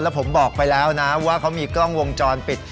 ผมบอกไปแล้วนะว่าเขามีกล้องวงจรปิด